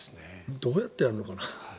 どうやってやるのかな？